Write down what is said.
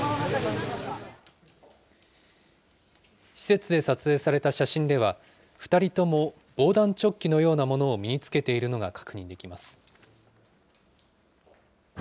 施設で撮影された写真では、２人とも防弾チョッキのようなものを身に着けているのが確認できます。